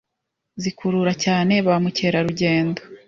zikurura cyane ba mukerarugendo,